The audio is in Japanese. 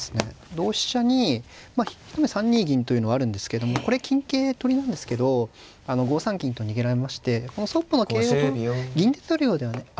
同飛車に一目３二銀というのはあるんですけどもこれ金桂取りなんですけど５三金と逃げられましてそっぽの桂を銀で取るようではね不満だとは思います。